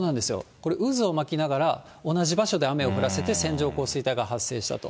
これ、渦を巻きながら同じ場所で雨を降らせて線状降水帯が発生したと。